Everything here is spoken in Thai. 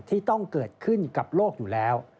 ที่ต้องเกิดขึ้นกับโลกอยู่แล้ว